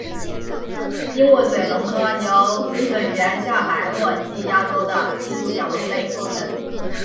鹦鹉嘴龙科由生存于下白垩纪亚洲的基础角龙类构成。